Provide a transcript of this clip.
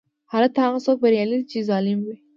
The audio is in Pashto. هلته هغه څوک بریالی دی چې ظالم وي.